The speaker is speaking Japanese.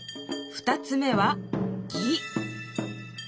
２つ目は「技」